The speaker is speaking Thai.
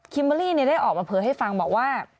เบอร์รี่ได้ออกมาเผยให้ฟังบอกว่า